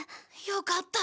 よかった！